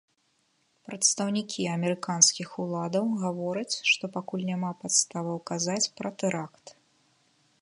Прадстаўнікі амерыканскіх уладаў гавораць, што пакуль няма падставаў казаць пра тэракт.